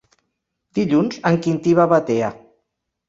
Dilluns en Quintí va a Batea.